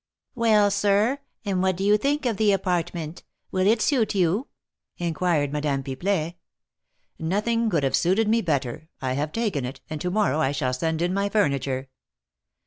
"Well, sir, and what do you think of the apartment? Will it suit you?" inquired Madame Pipelet. "Nothing could have suited me better. I have taken it, and to morrow I shall send in my furniture."